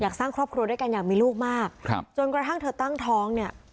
สร้างครอบครัวด้วยกันอยากมีลูกมากครับจนกระทั่งเธอตั้งท้องเนี่ย